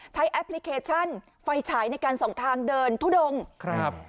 แอปพลิเคชันไฟฉายในการส่องทางเดินทุดงครับ